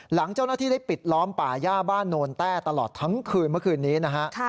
หลังเจ้าหน้าที่ได้ปิดล้อมป่าย่าบ้านโนนแต้ตลอดทั้งคืนเมื่อคืนนี้นะฮะ